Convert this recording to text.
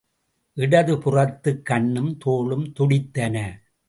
இடது புறத்துக் கண்ணும் தோளும் துடித்தன.